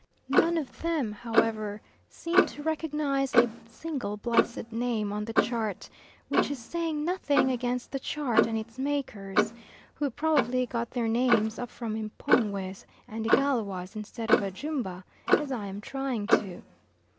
None of them, however, seem to recognise a single blessed name on the chart, which is saying nothing against the chart and its makers, who probably got their names up from M'pongwes and Igalwas instead of Ajumba, as I am trying to.